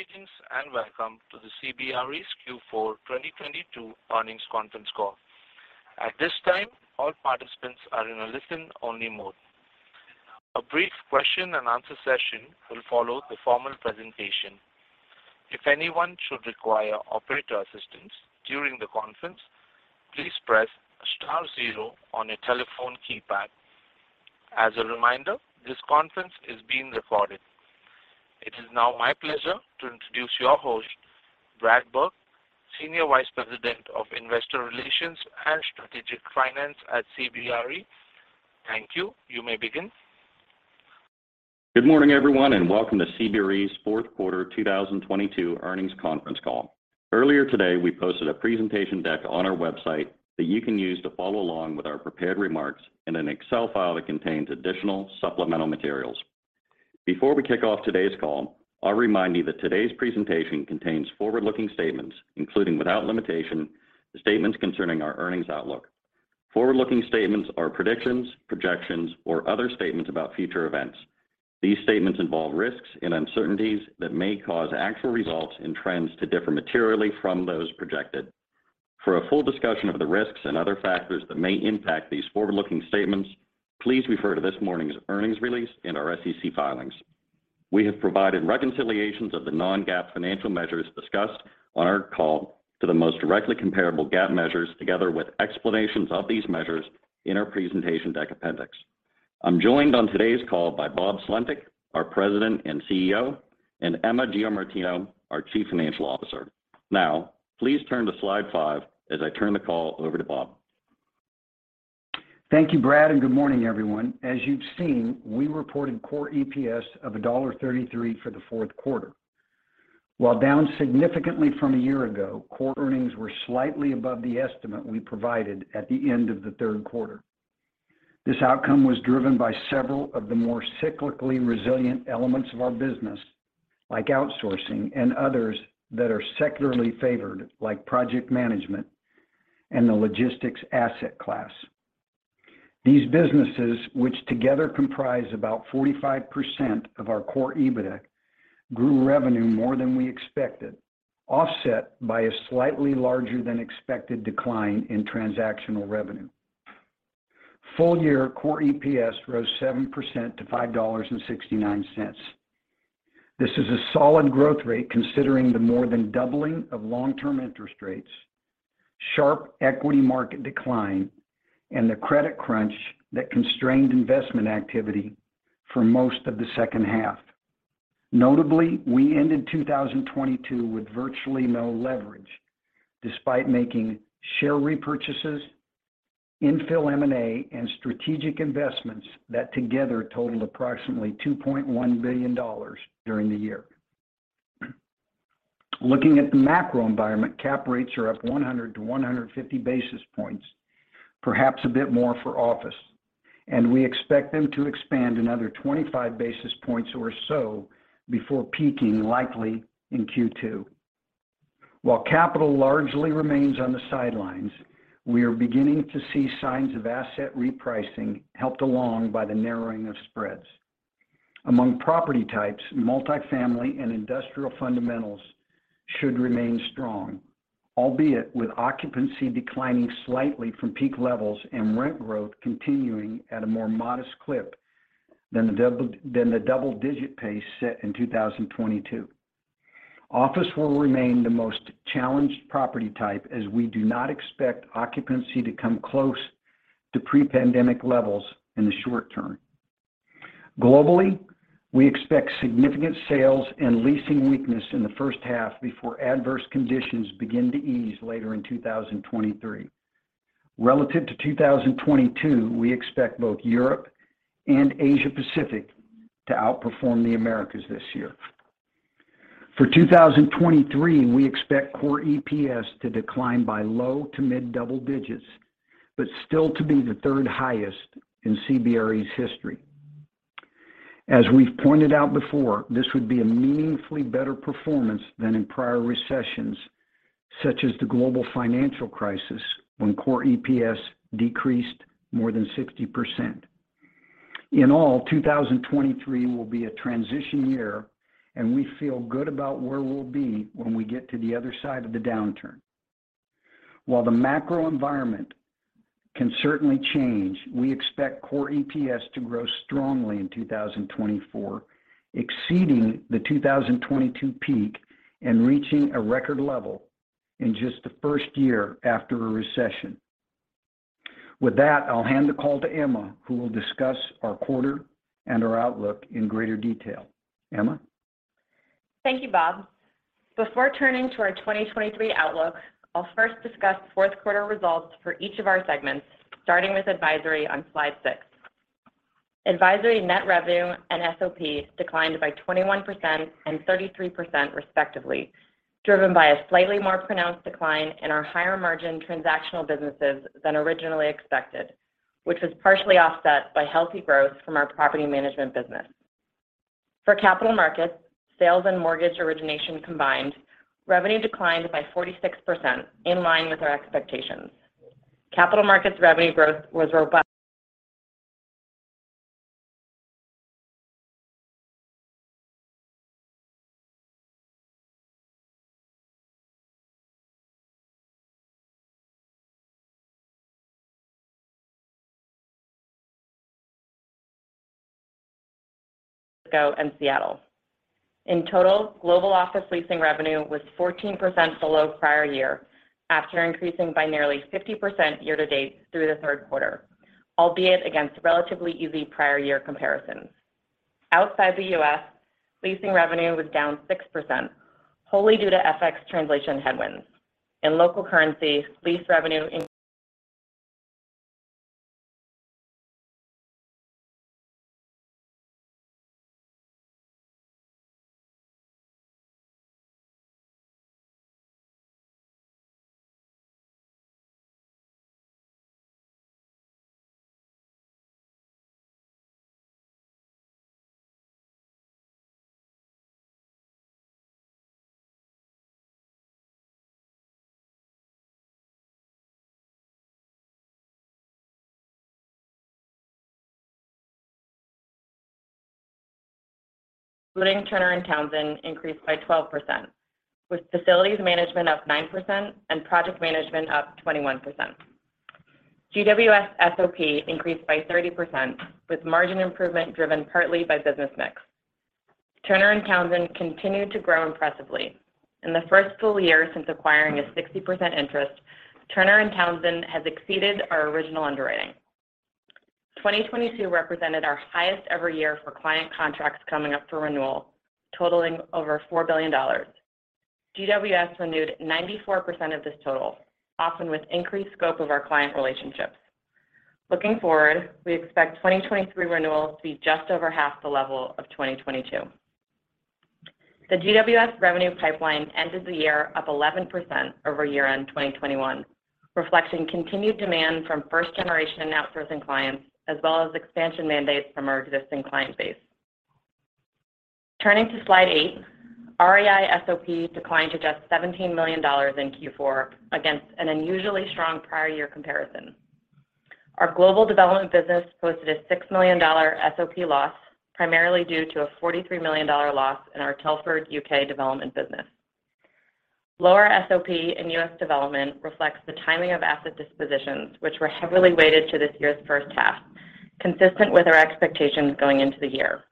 Greetings and welcome to the CBRE's Q4 2022 earnings conference call. At this time, all participants are in a listen-only mode. A brief question and answer session will follow the formal presentation. If anyone should require operator assistance during the conference, please press star 0 on your telephone keypad. As a reminder, this conference is being recorded. It is now my pleasure to introduce your host, Brad Burke, Senior Vice President of Investor Relations and Strategic Finance at CBRE. Thank you. You may begin. Good morning, everyone, and welcome to CBRE's fourth quarter 2022 earnings conference call. Earlier today, we posted a presentation deck on our website that you can use to follow along with our prepared remarks in an Excel file that contains additional supplemental materials. Before we kick off today's call, I'll remind you that today's presentation contains forward-looking statements, including without limitation, the statements concerning our earnings outlook. Forward-looking statements are predictions, projections, or other statements about future events. These statements involve risks and uncertainties that may cause actual results and trends to differ materially from those projected. For a full discussion of the risks and other factors that may impact these forward-looking statements, please refer to this morning's earnings release in our SEC filings. We have provided reconciliations of the non-GAAP financial measures discussed on our call to the most directly comparable GAAP measures, together with explanations of these measures in our presentation deck appendix. I'm joined on today's call by Bob Sulentic, our President and CEO, and Emma Giamartino, our Chief Financial Officer. Please turn to slide five as I turn the call over to Bob. Thank you, Brad. Good morning, everyone. As you've seen, we reported Core EPS of $1.33 for the fourth quarter. While down significantly from a year ago, Core earnings were slightly above the estimate we provided at the end of the third quarter. This outcome was driven by several of the more cyclically resilient elements of our business, like outsourcing and others that are secularly favored, like project management and the logistics asset class. These businesses, which together comprise about 45% of our Core EBITA, grew revenue more than we expected, offset by a slightly larger than expected decline in transactional revenue. Full year Core EPS rose 7% to $5.69. This is a solid growth rate considering the more than doubling of long-term interest rates, sharp equity market decline, and the credit crunch that constrained investment activity for most of the second half. Notably, we ended 2022 with virtually no leverage, despite making share repurchases, infill M&A, and strategic investments that together totaled approximately $2.1 billion during the year. Looking at the macro environment, cap rates are up 100-150 basis points, perhaps a bit more for office, and we expect them to expand another 25 basis points or so before peaking, likely in Q2. While capital largely remains on the sidelines, we are beginning to see signs of asset repricing helped along by the narrowing of spreads. Among property types, multi-family and industrial fundamentals should remain strong, albeit with occupancy declining slightly from peak levels and rent growth continuing at a more modest clip than the double-digit pace set in 2022. Office will remain the most challenged property type as we do not expect occupancy to come close to pre-pandemic levels in the short term. Globally, we expect significant sales and leasing weakness in the first half before adverse conditions begin to ease later in 2023. Relative to 2022, we expect both Europe and Asia Pacific to outperform the Americas this year. For 2023, we expect Core EPS to decline by low to mid-double digits, but still to be the third highest in CBRE's history. As we've pointed out before, this would be a meaningfully better performance than in prior recessions, such as the Global Financial Crisis, when Core EPS decreased more than 60%. In all, 2023 will be a transition year. We feel good about where we'll be when we get to the other side of the downturn. While the macro environment can certainly change, we expect Core EPS to grow strongly in 2024, exceeding the 2022 peak and reaching a record level in just the first year after a recession. With that, I'll hand the call to Emma, who will discuss our quarter and our outlook in greater detail. Emma. Thank you, Bob. Before turning to our 2023 outlook, I'll first discuss fourth quarter results for each of our segments, starting with Advisory on slide 6. Advisory net revenue and SOP declined by 21% and 33% respectively, driven by a slightly more pronounced decline in our higher margin transactional businesses than originally expected, which was partially offset by healthy growth from our property management business. For Capital Markets, sales and mortgage origination combined, revenue declined by 46% in line with our expectations. Capital Markets revenue growth was robust Seattle. In total, global office leasing revenue was 14% below prior year after increasing by nearly 50% year to date through the third quarter, albeit against relatively easy prior year comparisons. Outside the U.S., leasing revenue was down 6%, wholly due to FX translation headwinds. In local currency, lease revenue Including Turner & Townsend increased by 12%, with facilities management up 9% and project management up 21%. GWS SOP increased by 30% with margin improvement driven partly by business mix. Turner & Townsend continued to grow impressively. In the first full year since acquiring a 60% interest, Turner & Townsend has exceeded our original underwriting. 2022 represented our highest ever year for client contracts coming up for renewal, totaling over $4 billion. GWS renewed 94% of this total, often with increased scope of our client relationships. Looking forward, we expect 2023 renewals to be just over half the level of 2022. The GWS revenue pipeline ended the year up 11% over year-end 2021, reflecting continued demand from first generation outsourcing clients, as well as expansion mandates from our existing client base. Turning to slide 8, REI SOP declined to just $17 million in Q4 against an unusually strong prior year comparison. Our global development business posted a $6 million SOP loss, primarily due to a $43 million loss in our Telford, UK, development business. Lower SOP in US development reflects the timing of asset dispositions, which were heavily weighted to this year's first half, consistent with our expectations going into the year.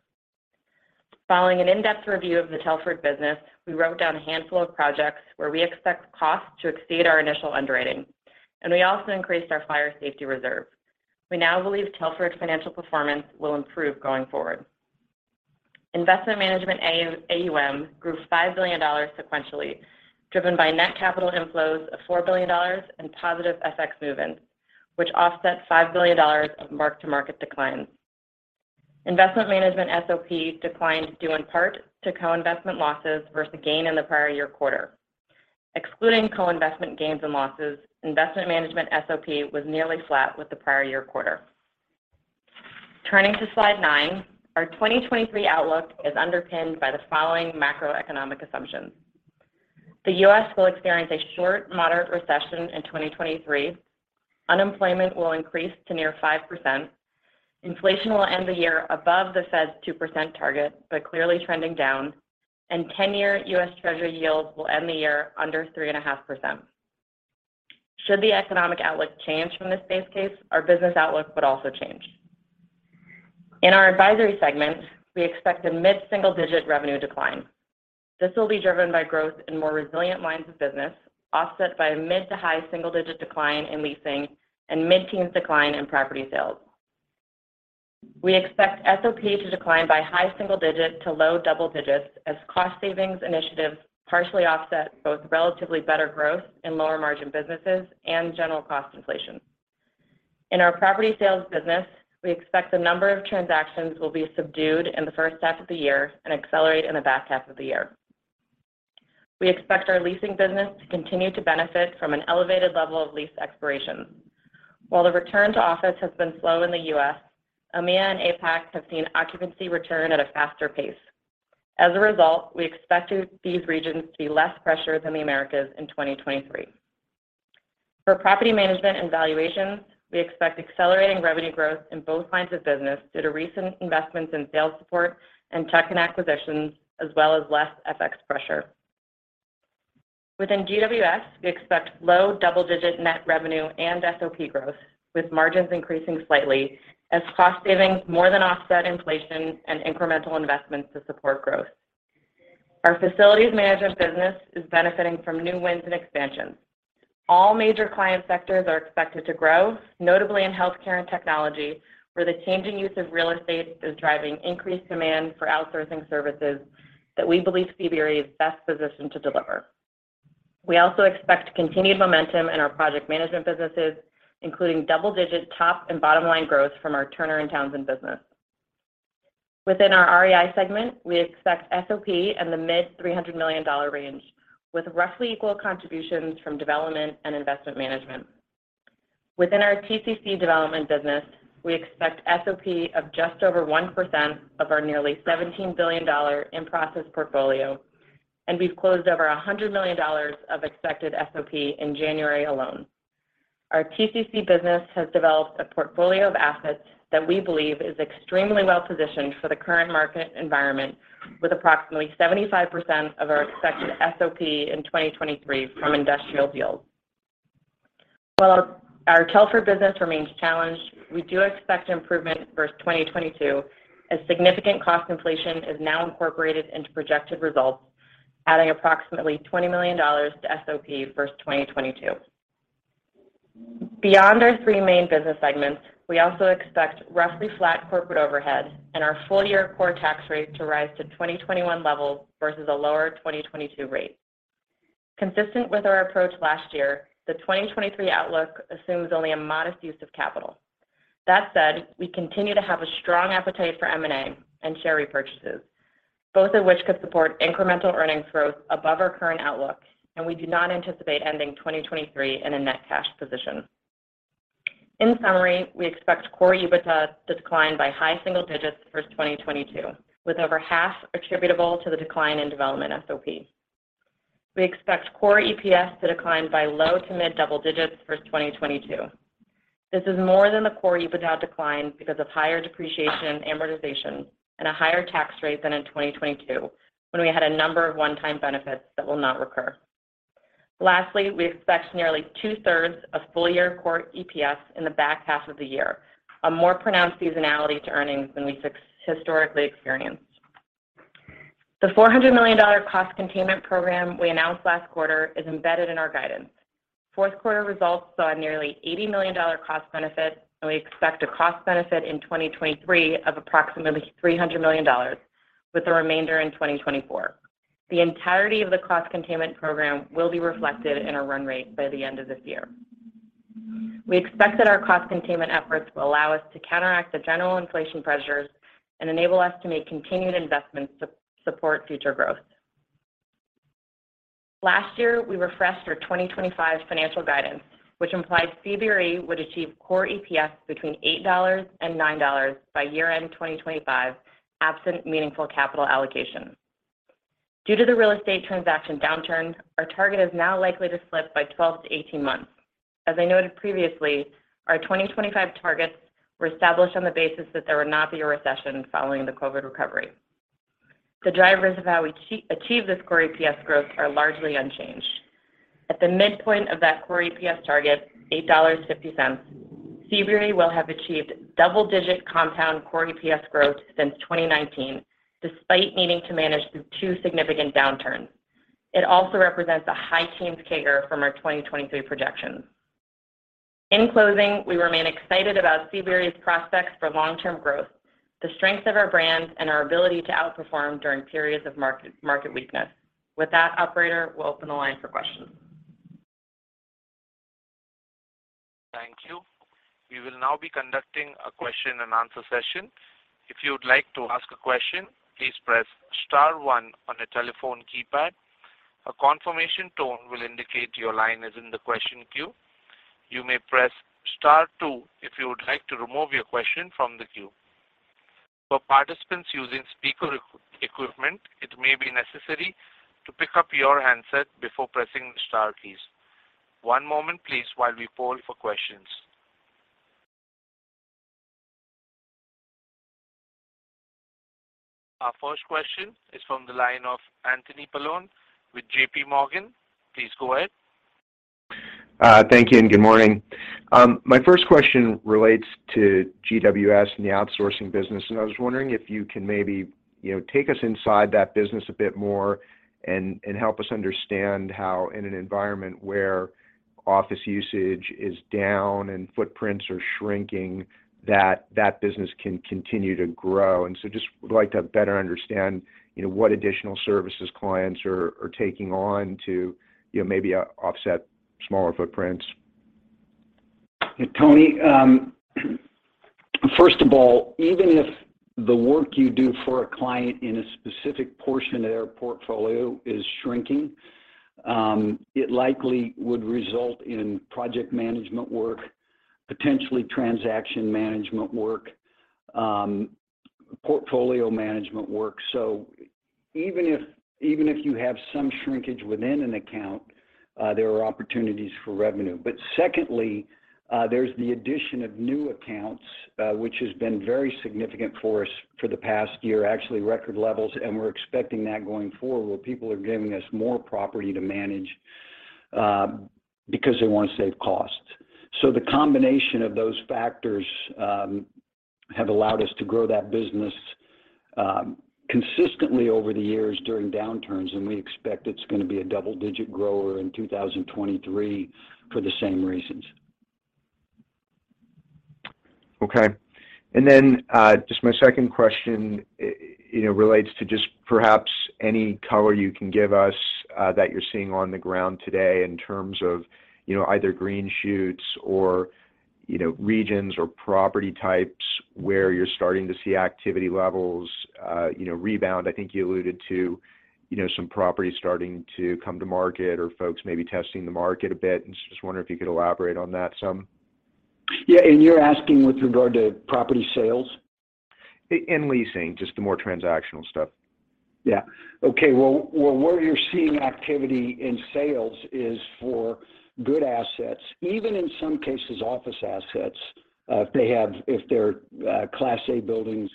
Following an in-depth review of the Telford business, we wrote down a handful of projects where we expect costs to exceed our initial underwriting, and we also increased our fire safety reserve. We now believe Telford's financial performance will improve going forward. Investment Management AUM grew $5 billion sequentially, driven by net capital inflows of $4 billion and positive FX movements, which offset $5 billion of mark-to-market declines. Investment Management SOP declined due in part to co-investment losses versus gain in the prior year quarter. Excluding co-investment gains and losses, Investment Management SOP was nearly flat with the prior year quarter. Turning to slide 9, our 2023 outlook is underpinned by the following macroeconomic assumptions. The U.S. will experience a short, moderate recession in 2023. Unemployment will increase to near 5%. Inflation will end the year above the Fed's 2% target but clearly trending down. 10-year U.S. Treasury yields will end the year under 3.5%. Should the economic outlook change from this base case, our business outlook would also change. In our advisory segment, we expect a mid-single-digit revenue decline. This will be driven by growth in more resilient lines of business, offset by a mid to high single-digit decline in leasing and mid-teens decline in property sales. We expect SOP to decline by high single digit to low double digits as cost savings initiatives partially offset both relatively better growth in lower margin businesses and general cost inflation. In our property sales business, we expect the number of transactions will be subdued in the first half of the year and accelerate in the back half of the year. We expect our leasing business to continue to benefit from an elevated level of lease expirations. While the return to office has been slow in the U.S., EMEA and APAC have seen occupancy return at a faster pace. We expect these regions to be less pressured than the Americas in 2023. For property management and valuations, we expect accelerating revenue growth in both lines of business due to recent investments in sales support and tech and acquisitions, as well as less FX pressure. Within GWS, we expect low double-digit net revenue and SOP growth, with margins increasing slightly as cost savings more than offset inflation and incremental investments to support growth. Our facilities management business is benefiting from new wins and expansions. All major client sectors are expected to grow, notably in healthcare and technology, where the changing use of real estate is driving increased demand for outsourcing services that we believe CBRE is best positioned to deliver. We also expect continued momentum in our project management businesses, including double-digit top and bottom-line growth from our Turner & Townsend business. Within our REI segment, we expect SOP in the mid-$300 million range, with roughly equal contributions from development and investment management. Within our TCC development business, we expect SOP of just over 1% of our nearly $17 billion in-process portfolio, and we've closed over $100 million of expected SOP in January alone. Our TCC business has developed a portfolio of assets that we believe is extremely well positioned for the current market environment with approximately 75% of our expected SOP in 2023 from industrial deals. While our Telford business remains challenged, we do expect improvement versus 2022 as significant cost inflation is now incorporated into projected results, adding approximately $20 million to SOP versus 2022. Beyond our 3 main business segments, we also expect roughly flat corporate overhead and our full year Core tax rate to rise to 2021 levels versus a lower 2022 rate. Consistent with our approach last year, the 2023 outlook assumes only a modest use of capital. That said, we continue to have a strong appetite for M&A and share repurchases, both of which could support incremental earnings growth above our current outlook, and we do not anticipate ending 2023 in a net cash position. In summary, we expect Core EBITDA to decline by high single digits versus 2022, with over half attributable to the decline in development SOP. We expect Core EPS to decline by low to mid double digits versus 2022. This is more than the Core EBITDA decline because of higher depreciation and amortization and a higher tax rate than in 2022, when we had a number of one-time benefits that will not recur. We expect nearly two-thirds of full year Core EPS in the back half of the year, a more pronounced seasonality to earnings than we've historically experienced. The $400 million cost containment program we announced last quarter is embedded in our guidance. Fourth quarter results saw a nearly $80 million cost benefit, and we expect a cost benefit in 2023 of approximately $300 million with the remainder in 2024. The entirety of the cost containment program will be reflected in our run rate by the end of this year. We expect that our cost containment efforts will allow us to counteract the general inflation pressures and enable us to make continued investments to support future growth. Last year, we refreshed our 2025 financial guidance, which implied CBRE would achieve Core EPS between $8 and $9 by year-end 2025, absent meaningful capital allocation. Due to the real estate transaction downturn, our target is now likely to slip by 12 to 18 months. As I noted previously, our 2025 targets were established on the basis that there would not be a recession following the COVID recovery. The drivers of how we achieve this Core EPS growth are largely unchanged. At the midpoint of that Core EPS target, $8.50, CBRE will have achieved double-digit compound Core EPS growth since 2019, despite needing to manage through 2 significant downturns. It also represents a high teens CAGR from our 2023 projections. In closing, we remain excited about CBRE's prospects for long-term growth, the strength of our brands, and our ability to outperform during periods of market weakness. With that, operator, we'll open the line for questions. Thank you. We will now be conducting a question and answer session. If you would like to ask a question, please press star one on your telephone keypad. A confirmation tone will indicate your line is in the question queue. You may press star two if you would like to remove your question from the queue. For participants using speaker equipment, it may be necessary to pick up your handset before pressing the star keys. One moment please while we poll for questions. Our first question is from the line of Anthony Paolone with JPMorgan. Please go ahead. Thank you, and good morning. My first question relates to GWS and the outsourcing business, and I was wondering if you can maybe, you know, take us inside that business a bit more and help us understand how in an environment where office usage is down and footprints are shrinking that that business can continue to grow. Just would like to better understand, you know, what additional services clients are taking on to, you know, maybe offset smaller footprints. Yeah, Tony, first of all, even if you have some shrinkage within an account, there are opportunities for revenue. Secondly, there's the addition of new accounts, which has been very significant for us for the past year, actually record levels, and we're expecting that going forward, where people are giving us more property to manage, because they want to save costs. The combination of those factors have allowed us to grow that business consistently over the years during downturns, and we expect it's going to be a double-digit grower in 2023 for the same reasons. Okay. Then, just my second question, you know, relates to just perhaps any color you can give us, that you're seeing on the ground today in terms of, you know, either green shoots or, you know, regions or property types where you're starting to see activity levels, you know, rebound. I think you alluded to, you know, some properties starting to come to market or folks maybe testing the market a bit, so just wondering if you could elaborate on that some. Yeah. You're asking with regard to property sales? In leasing, just the more transactional stuff. Yeah. Okay. Well, where you're seeing activity in sales is for good assets, even in some cases, office assets, if they're Class A buildings,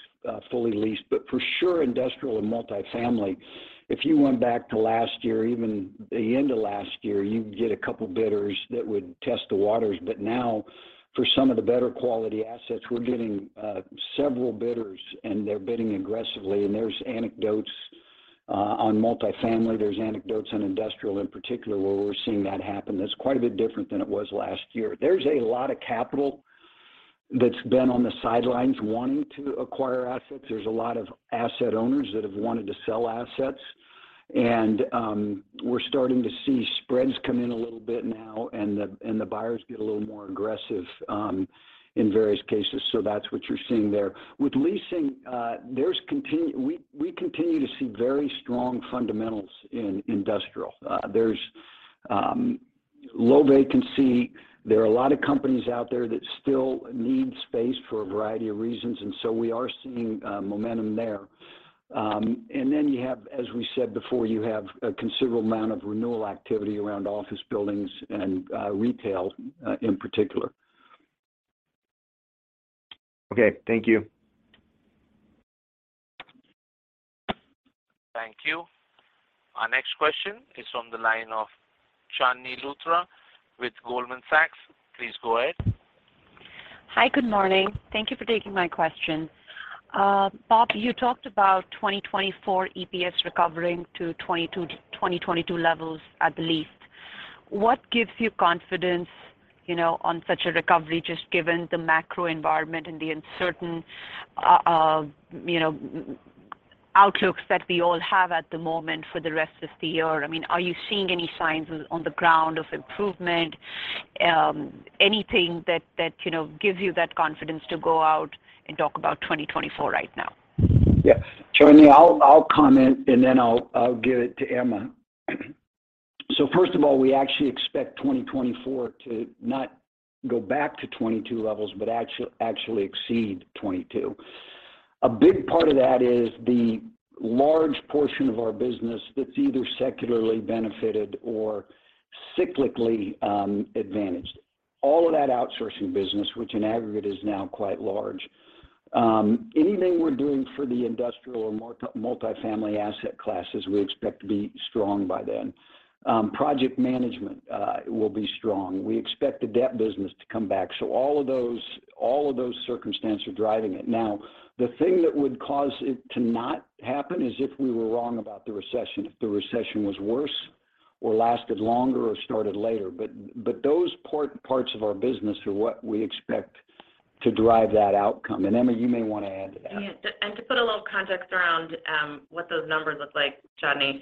fully leased. For sure, industrial and multi-family, if you went back to last year, even the end of last year, you'd get a couple bidders that would test the waters. Now, for some of the better quality assets, we're getting several bidders and they're bidding aggressively. There's anecdotes on multifamily, there's anecdotes on industrial in particular, where we're seeing that happen. That's quite a bit different than it was last year. There's a lot of capital that's been on the sidelines wanting to acquire assets. There's a lot of asset owners that have wanted to sell assets. We're starting to see spreads come in a little bit now, and the buyers get a little more aggressive in various cases. That's what you're seeing there. With leasing, we continue to see very strong fundamentals in industrial. There's low vacancy. There are a lot of companies out there that still need space for a variety of reasons, we are seeing momentum there. Then you have, as we said before, you have a considerable amount of renewal activity around office buildings and retail in particular. Okay. Thank you. Thank you. Our next question is from the line of Chandni Luthra with Goldman Sachs. Please go ahead. Hi, good morning. Thank you for taking my question. Bob, you talked about 2024 EPS recovering to 2022 levels at least. What gives you confidence, you know, on such a recovery, just given the macro environment and the uncertain, you know, outlooks that we all have at the moment for the rest of the year? I mean, are you seeing any signs on the ground of improvement? anything that, you know, gives you that confidence to go out and talk about 2024 right now? Yeah. Chandni, I'll comment, and then I'll give it to Emma. First of all, we actually expect 2024 to not go back to 2022 levels, but actually exceed 2022. A big part of that is the large portion of our business that's either secularly benefited or cyclically advantaged. All of that outsourcing business, which in aggregate is now quite large. Anything we're doing for the industrial or multifamily asset classes, we expect to be strong by then. Project management will be strong. We expect the debt business to come back. All of those circumstance are driving it. Now, the thing that would cause it to not happen is if we were wrong about the recession, if the recession was worse or lasted longer or started later. Those parts of our business are what we expect to drive that outcome. Emma, you may want to add to that. Yeah. To put a little context around what those numbers look like, Chandni.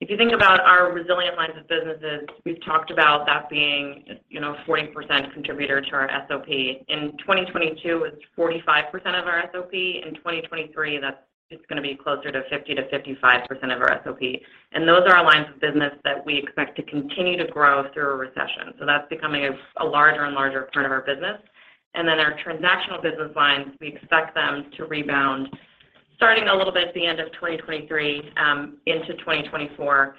If you think about our resilient lines of businesses, we've talked about that being, you know, 40% contributor to our SOP. In 2022, it's 45% of our SOP. In 2023, that's just gonna be closer to 50%-55% of our SOP. Those are our lines of business that we expect to continue to grow through a recession. That's becoming a larger and larger part of our business. Our transactional business lines, we expect them to rebound starting a little bit at the end of 2023 into 2024.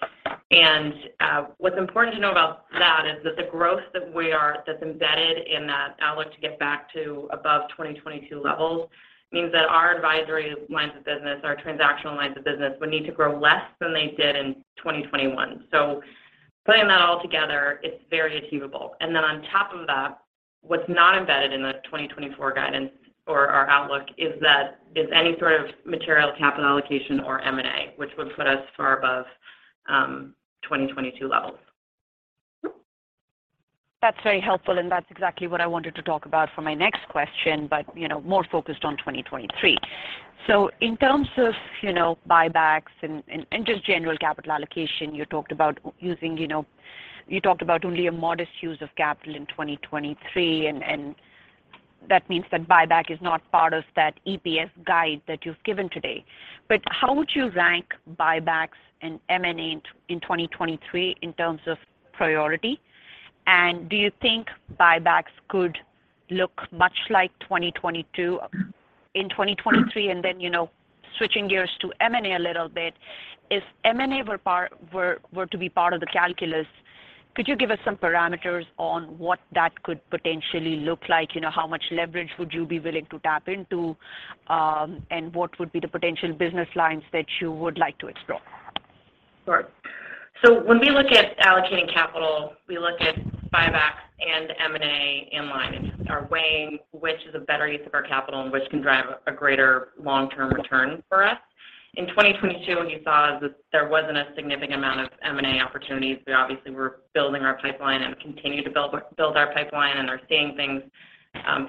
What's important to know about that is that the growth that's embedded in that outlook to get back to above 2022 levels means that our advisory lines of business, our transactional lines of business, would need to grow less than they did in 2021. Putting that all together, it's very achievable. Then on top of that, what's not embedded in the 2024 guidance or our outlook is any sort of material capital allocation or M&A, which would put us far above 2022 levels. That's very helpful, and that's exactly what I wanted to talk about for my next question, but, you know, more focused on 2023. In terms of, you know, buybacks and just general capital allocation, you talked about using, you talked about only a modest use of capital in 2023, and that means that buyback is not part of that EPS guide that you've given today. How would you rank buybacks and M&A in 2023 in terms of priority? Do you think buybacks could look much like 2022 in 2023? You know, switching gears to M&A a little bit, if M&A were to be part of the calculus, could you give us some parameters on what that could potentially look like? You know, how much leverage would you be willing to tap into, and what would be the potential business lines that you would like to explore? Sure. When we look at allocating capital, we look at buybacks and M&A in line. Just are weighing which is a better use of our capital and which can drive a greater long-term return for us. In 2022, you saw that there wasn't a significant amount of M&A opportunities. We obviously were building our pipeline and continue to build our pipeline and are seeing things,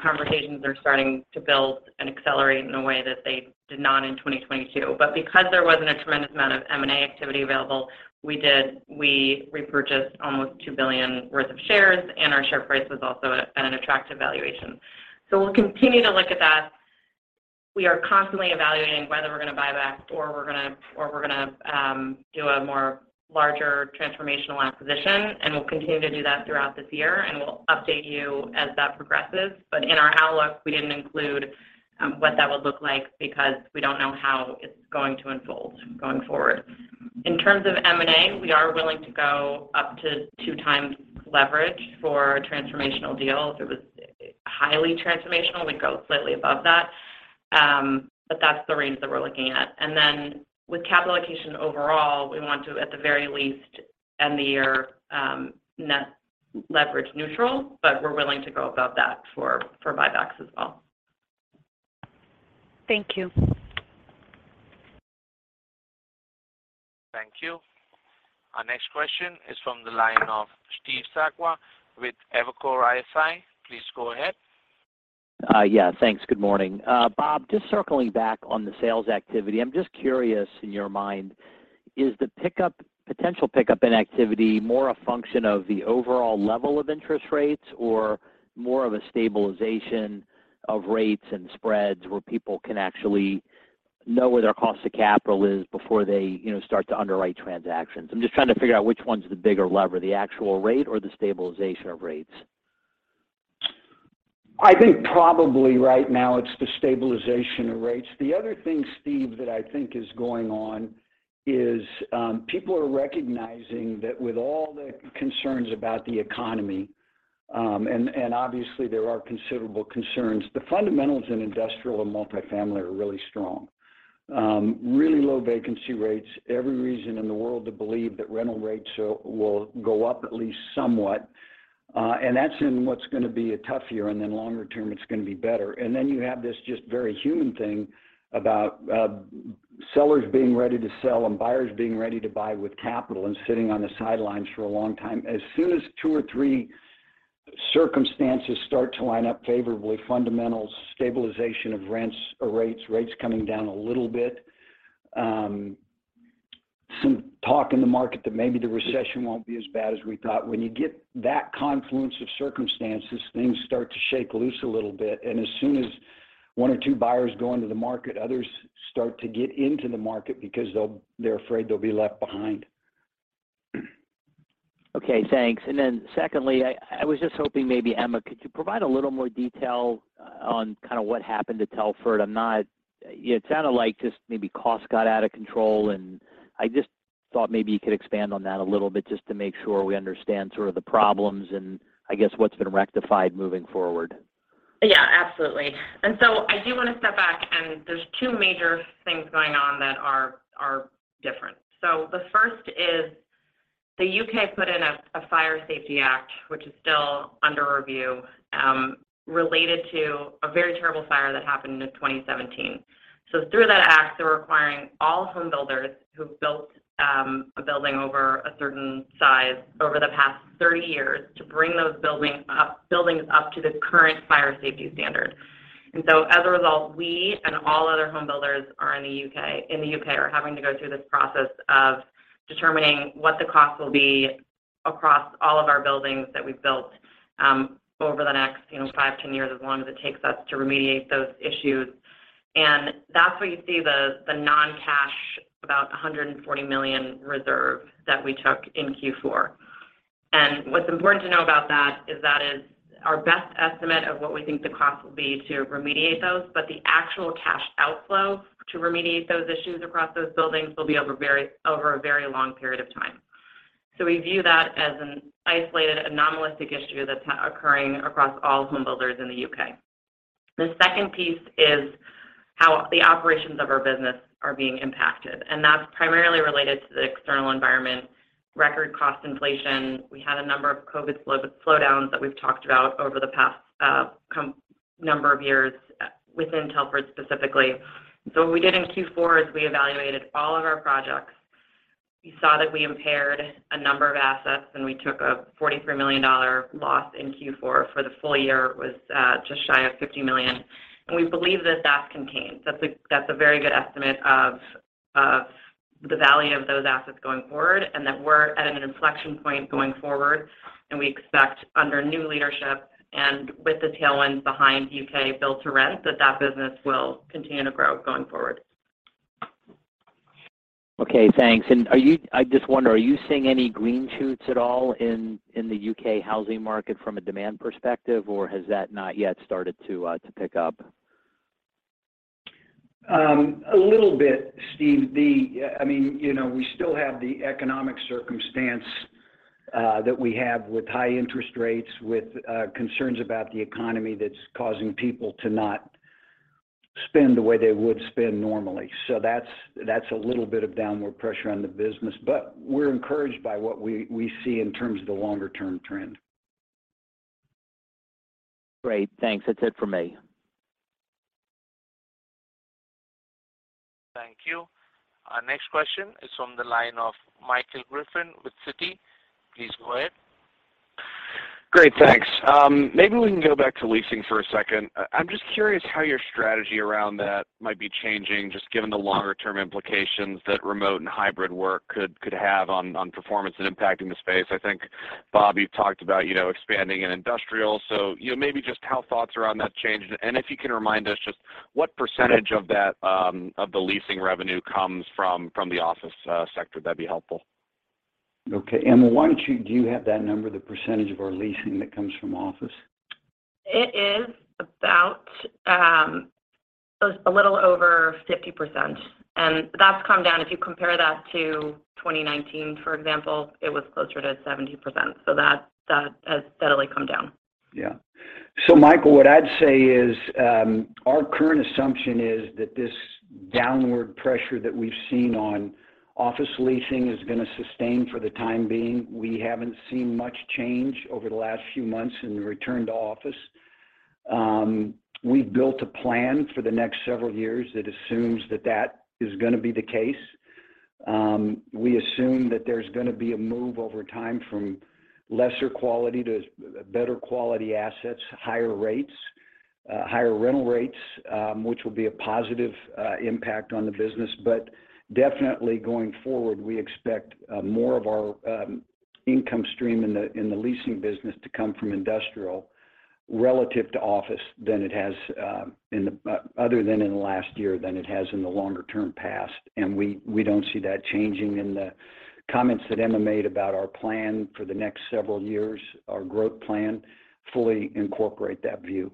conversations are starting to build and accelerate in a way that they did not in 2022. Because there wasn't a tremendous amount of M&A activity available, we repurchased almost $2 billion worth of shares, and our share price was also at an attractive valuation. We will continue to look at that. We are constantly evaluating whether we're gonna buy back or we're gonna do a more larger transformational acquisition, we will continue to do that throughout this year, we will update you as that progresses. In our outlook, we didn't include what that would look like because we don't know how it's going to unfold going forward. In terms of M&A, we are willing to go up to 2x leverage for transformational deals. If it was highly transformational, we'd go slightly above that. That's the range that we're looking at. With capital allocation overall, we want to, at the very least, end the year net leverage neutral, we're willing to go above that for buybacks as well. Thank you. Thank you. Our next question is from the line of Steve Sakwa with Evercore ISI. Please go ahead. Yeah, thanks. Good morning. Bob, just circling back on the sales activity. I'm just curious, in your mind, is the potential pickup in activity more a function of the overall level of interest rates or more of a stabilization of rates and spreads where people can actually know where their cost of capital is before they, you know, start to underwrite transactions? I'm just trying to figure out which one's the bigger lever, the actual rate or the stabilization of rates? I think probably right now it's the stabilization of rates. The other thing, Steve, that I think is going on is, people are recognizing that with all the concerns about the economy, and obviously there are considerable concerns, the fundamentals in industrial and multifamily are really strong. Really low vacancy rates. Every reason in the world to believe that rental rates will go up at least somewhat. That's in what's gonna be a tough year, and then longer term it's gonna be better. Then you have this just very human thing about, sellers being ready to sell and buyers being ready to buy with capital and sitting on the sidelines for a long time. As soon as two or three circumstances start to line up favorably, fundamentals, stabilization of rents or rates coming down a little bit, some talk in the market that maybe the recession won't be as bad as we thought. When you get that confluence of circumstances, things start to shake loose a little bit. As soon as one or two buyers go into the market, others start to get into the market because they're afraid they'll be left behind. Okay, thanks. Secondly, I was just hoping maybe Emma, could you provide a little more detail on kind of what happened to Telford? I'm not. It sounded like just maybe cost got out of control, and I just thought maybe you could expand on that a little bit just to make sure we understand sort of the problems and I guess what's been rectified moving forward. Yeah, absolutely. I do want to step back, and there's two major things going on that are different. The first is the U.K. put in a Fire Safety Act, which is still under review, related to a very terrible fire that happened in 2017. Through that act, they're requiring all home builders who've built a building over a certain size over the past 30 years to bring those buildings up to the current fire safety standard. As a result, we and all other home builders in the U.K. are having to go through this process of determining what the cost will be across all of our buildings that we've built, over the next, you know, 5, 10 years, as long as it takes us to remediate those issues. That's where you see the non-cash, about a $140 million reserve that we took in Q4. What's important to know about that is that is our best estimate of what we think the cost will be to remediate those. The actual cash outflow to remediate those issues across those buildings will be over a very long period of time. We view that as an isolated anomalistic issue that's occurring across all home builders in the UK. The second piece is how the operations of our business are being impacted, and that's primarily related to the external environment, record cost inflation. We had a number of COVID slowdowns that we've talked about over the past number of years within Telford specifically. What we did in Q4 is we evaluated all of our projects. You saw that we impaired a number of assets, we took a $43 million loss in Q4. For the full year, it was just shy of $50 million. We believe that that's contained. That's a very good estimate of the value of those assets going forward and that we're at an inflection point going forward. We expect under new leadership and with the tailwinds behind UK build-to-rent, that that business will continue to grow going forward. Okay, thanks. I just wonder, are you seeing any green shoots at all in the UK housing market from a demand perspective, or has that not yet started to pick up? A little bit, Steve. I mean, you know, we still have the economic circumstance that we have with high interest rates, with concerns about the economy that's causing people to not spend the way they would spend normally. That's a little bit of downward pressure on the business, but we're encouraged by what we see in terms of the longer term trend. Great. Thanks. That's it for me. Thank you. Our next question is from the line of Michael Griffin with Citi. Please go ahead. Great. Thanks. Maybe we can go back to leasing for a second. I'm just curious how your strategy around that might be changing, just given the longer-term implications that remote and hybrid work could have on performance and impact in the space. I think, Bob, you've talked about, you know, expanding in industrial, so, you know, maybe just how thoughts around that changed. If you can remind us just what percentage of that of the leasing revenue comes from the office sector, that'd be helpful. Emma, Do you have that number, the % of our leasing that comes from office? It is about a little over 50%, and that's come down. If you compare that to 2019, for example, it was closer to 70%, so that has steadily come down. Yeah. Michael, what I'd say is, our current assumption is that this downward pressure that we've seen on office leasing is gonna sustain for the time being. We haven't seen much change over the last few months in the return to office. We've built a plan for the next several years that assumes that that is gonna be the case. We assume that there's gonna be a move over time from lesser quality to better quality assets, higher rates, higher rental rates, which will be a positive impact on the business. Definitely going forward, we expect more of our income stream in the leasing business to come from industrial relative to office than it has other than in the last year than it has in the longer term past, and we don't see that changing. The comments that Emma made about our plan for the next several years, our growth plan, fully incorporate that view.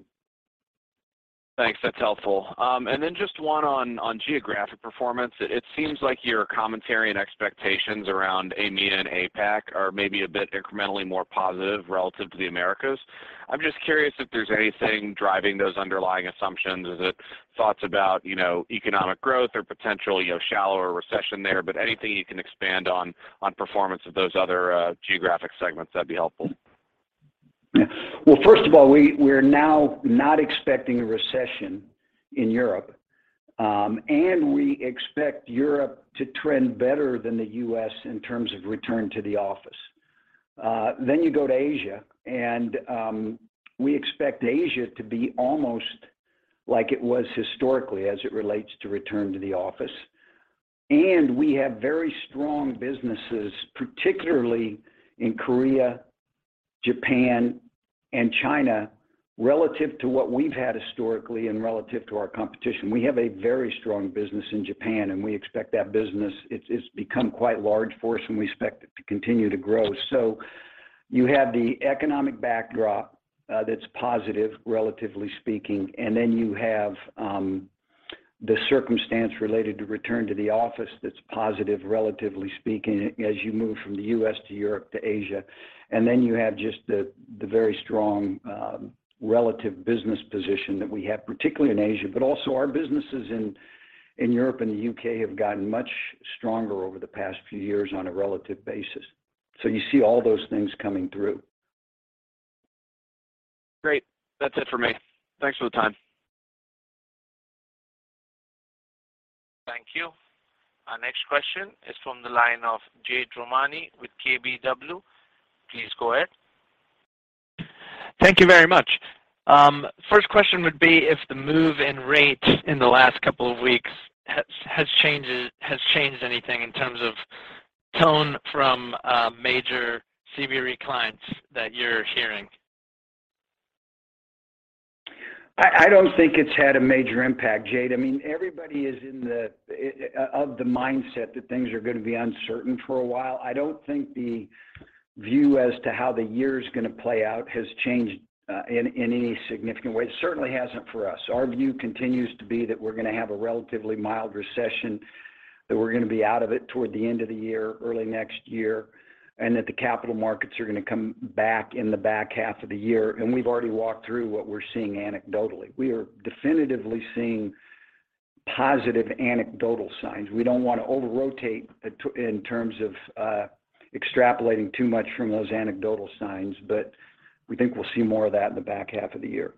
Thanks. That's helpful. Just one on geographic performance. It seems like your commentary and expectations around EMEA and APAC are maybe a bit incrementally more positive relative to the Americas. I'm just curious if there's anything driving those underlying assumptions. Is it thoughts about, you know, economic growth or potential, you know, shallower recession there? Anything you can expand on on performance of those other, geographic segments, that'd be helpful. First of all, we're now not expecting a recession in Europe, and we expect Europe to trend better than the U.S. in terms of return to the office. You go to Asia, and we expect Asia to be almost like it was historically as it relates to return to the office. We have very strong businesses, particularly in Korea, Japan, and China, relative to what we've had historically and relative to our competition. We have a very strong business in Japan, and we expect that business. It's become quite large for us, and we expect it to continue to grow. You have the economic backdrop, that's positive, relatively speaking, and you have the circumstance related to return to the office that's positive, relatively speaking, as you move from the U.S. to Europe to Asia. You have just the very strong, relative business position that we have, particularly in Asia. Our businesses in Europe and the UK have gotten much stronger over the past few years on a relative basis. You see all those things coming through. Great. That's it for me. Thanks for the time. Thank you. Our next question is from the line of Jade Rahmani with KBW. Please go ahead. Thank you very much. First question would be if the move in rates in the last couple of weeks has changed anything in terms of tone from major CBRE clients that you're hearing? I don't think it's had a major impact, Jade. I mean, everybody is in the mindset that things are gonna be uncertain for a while. I don't think the view as to how the year's gonna play out has changed in any significant way. It certainly hasn't for us. Our view continues to be that we're gonna have a relatively mild recession, that we're gonna be out of it toward the end of the year, early next year, and that the capital markets are gonna come back in the back half of the year. We've already walked through what we're seeing anecdotally. We are definitively seeing positive anecdotal signs. We don't wanna over-rotate in terms of extrapolating too much from those anecdotal signs, but we think we'll see more of that in the back half of the year.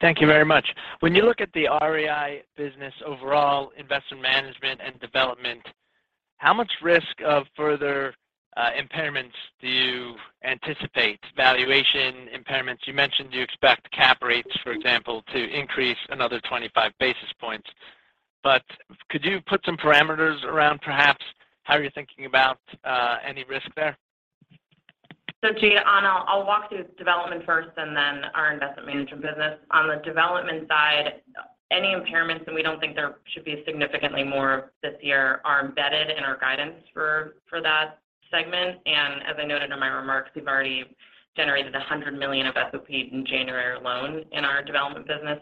Thank you very much. When you look at the REI business overall, investment management and development, how much risk of further impairments do you anticipate, valuation impairments? You mentioned you expect cap rates, for example, to increase another 25 basis points. Could you put some parameters around perhaps how you're thinking about any risk there? Jade, I'll walk through development first and then our investment management business. On the development side, any impairments, and we don't think there should be significantly more this year, are embedded in our guidance for that segment. As I noted in my remarks, we've already generated $100 million of SOP in January alone in our development business.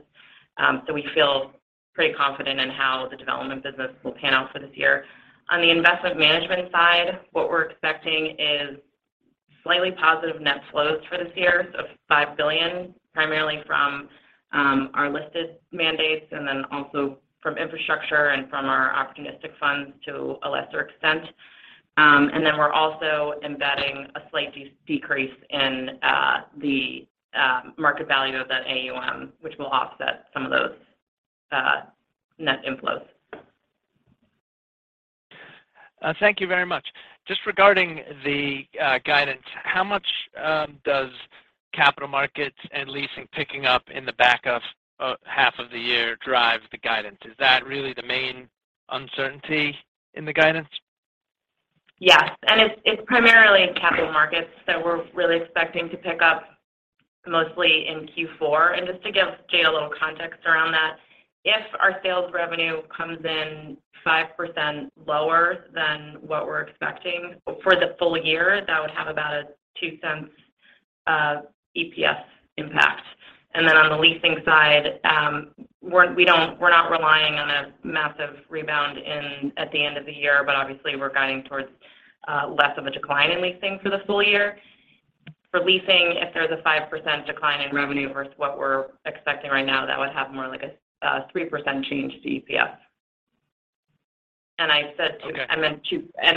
We feel pretty confident in how the development business will pan out for this year. On the investment management side, what we're expecting is slightly positive net flows for this year of $5 billion, primarily from our listed mandates and then also from infrastructure and from our opportunistic funds to a lesser extent. We're also embedding a slight decrease in the market value of that AUM, which will offset some of those net inflows. Thank you very much. Just regarding the guidance, how much does capital markets and leasing picking up in the back of half of the year drive the guidance? Is that really the main uncertainty in the guidance? Yes. It's primarily in capital markets that we're really expecting to pick up mostly in Q4. Just to give Jay a little context around that, if our sales revenue comes in 5% lower than what we're expecting for the full year, that would have about a $0.02 of EPS impact. On the leasing side, we're not relying on a massive rebound in at the end of the year, but obviously, we're guiding towards less of a decline in leasing for the full year. For leasing, if there's a 5% decline in revenue versus what we're expecting right now, that would have more like a 3% change to EPS. I said two- Okay.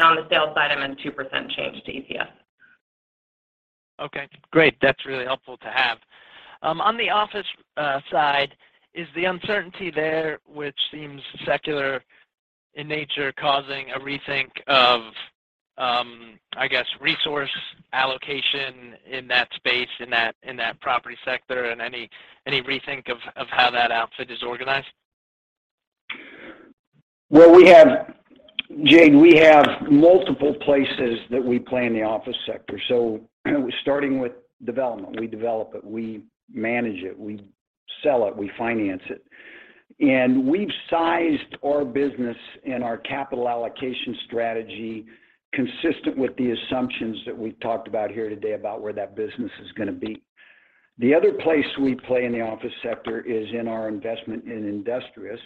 On the sales side, I meant 2% change to EPS. Okay, great. That's really helpful to have. On the office side, is the uncertainty there, which seems secular in nature, causing a rethink of, I guess, resource allocation in that space, in that property sector? Any rethink of how that outfit is organized? Jade, we have multiple places that we play in the office sector. Starting with development. We develop it, we manage it, we sell it, we finance it. We've sized our business and our capital allocation strategy consistent with the assumptions that we've talked about here today about where that business is gonna be. The other place we play in the office sector is in our investment in Industrious.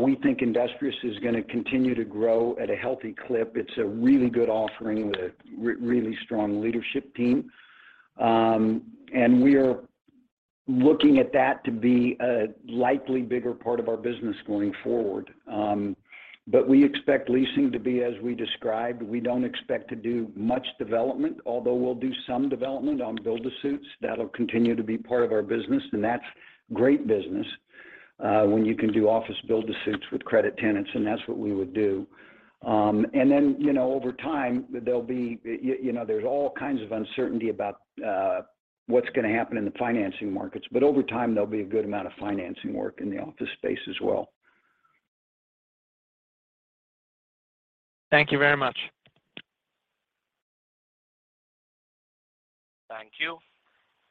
We think Industrious is gonna continue to grow at a healthy clip. It's a really good offering with a really strong leadership team. We are looking at that to be a likely bigger part of our business going forward. We expect leasing to be as we described. We don't expect to do much development, although we'll do some development on build-to-suits. That'll continue to be part of our business, and that's great business, when you can do office build-to-suits with credit tenants, and that's what we would do. You know, over time, there'll be, you know, there's all kinds of uncertainty about what's gonna happen in the financing markets. Over time, there'll be a good amount of financing work in the office space as well. Thank you very much. Thank you.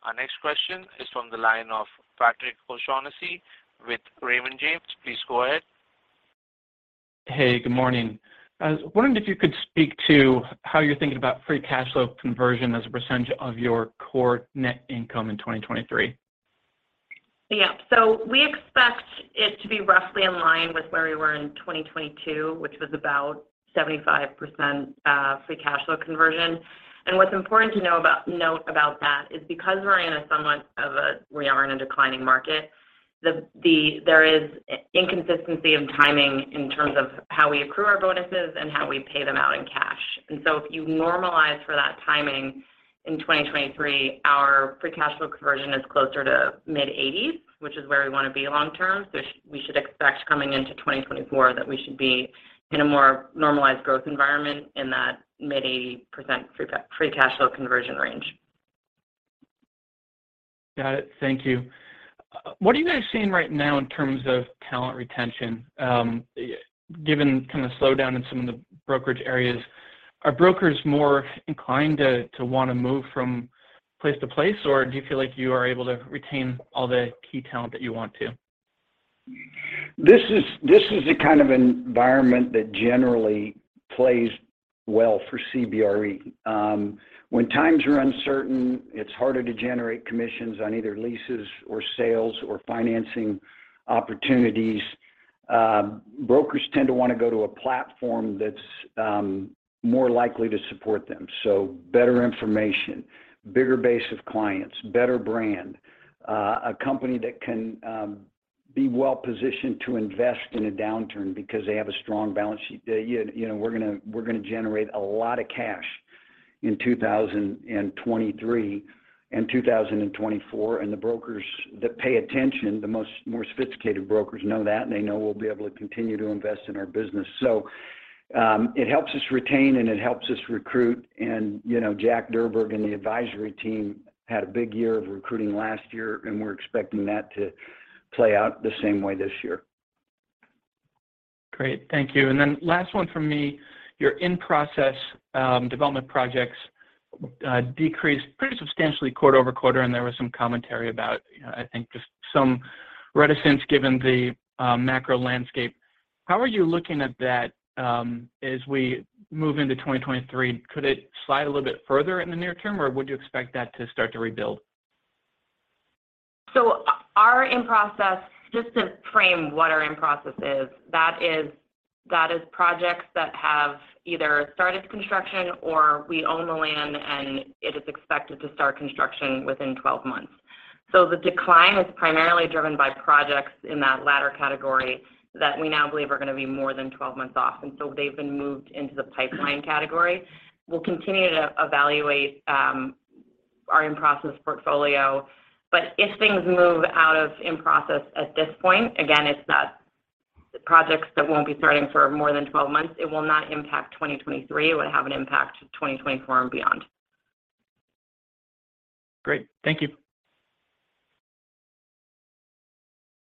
Our next question is from the line of Patrick O'Shaughnessy with Raymond James. Please go ahead. Hey, good morning. I was wondering if you could speak to how you're thinking about free cash flow conversion as a percentage of your core net income in 2023. Yeah. We expect it to be roughly in line with where we were in 2022, which was about 75% free cash flow conversion. What's important to know about that is because we are in a declining market, there is inconsistency of timing in terms of how we accrue our bonuses and how we pay them out in cash. If you normalize for that timing in 2023, our free cash flow conversion is closer to mid-80s, which is where we wanna be long term. We should expect coming into 2024 that we should be in a more normalized growth environment in that mid-80% free cash flow conversion range. Got it. Thank you. What are you guys seeing right now in terms of talent retention, given kinda the slowdown in some of the brokerage areas? Are brokers more inclined to wanna move from place to place, or do you feel like you are able to retain all the key talent that you want to? This is the kind of environment that generally plays well for CBRE. When times are uncertain, it's harder to generate commissions on either leases or sales or financing opportunities. Brokers tend to wanna go to a platform that's more likely to support them. Better information, bigger base of clients, better brand, a company that can be well-positioned to invest in a downturn because they have a strong balance sheet. You know, we're gonna generate a lot of cash in 2023 and 2024, and the brokers that pay attention, more sophisticated brokers know that, and they know we'll be able to continue to invest in our business. It helps us retain and it helps us recruit. You know, Jack Durburg and the advisory team had a big year of recruiting last year, and we're expecting that to play out the same way this year. Great. Thank you. Last one from me. Your in-process development projects decreased pretty substantially quarter-over-quarter. There was some commentary about, I think, just some reticence given the macro landscape. How are you looking at that as we move into 2023? Could it slide a little bit further in the near term, or would you expect that to start to rebuild? Our in-process, just to frame what our in-process is, that is projects that have either started construction or we own the land, and it is expected to start construction within 12 months. The decline is primarily driven by projects in that latter category that we now believe are gonna be more than 12 months off, and so they've been moved into the pipeline category. We'll continue to evaluate our in-process portfolio. If things move out of in-process at this point, again, it's not projects that won't be starting for more than 12 months. It will not impact 2023. It would have an impact 2024 and beyond. Great. Thank you.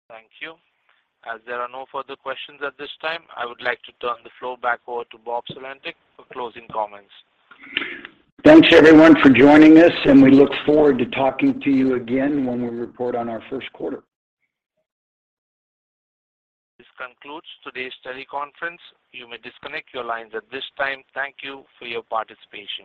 Thank you. As there are no further questions at this time, I would like to turn the floor back over to Bob Sulentic for closing comments. Thanks everyone for joining us, and we look forward to talking to you again when we report on our first quarter. This concludes today's teleconference. You may disconnect your lines at this time. Thank you for your participation.